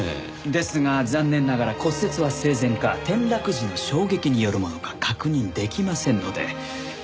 ですが残念ながら骨折は生前か転落時の衝撃によるものか確認できませんので。